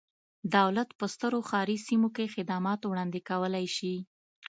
دولت په سترو ښاري سیمو کې خدمات وړاندې کولای شي.